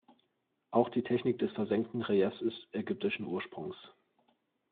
Auch die Technik des versenkten Reliefs ist ägyptischen Ursprungs.